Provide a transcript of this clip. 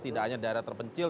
tidak hanya daerah terpencil